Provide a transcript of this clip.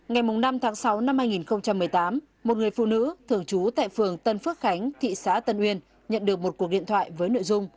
ngày năm tháng sáu năm hai nghìn một mươi tám một người phụ nữ thường trú tại phường tân phước khánh thị xã tân uyên nhận được một cuộc điện thoại với nội dung